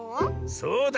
そうだ。